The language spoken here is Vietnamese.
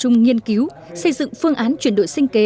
nhiên cứu xây dựng phương án chuyển đổi sinh kế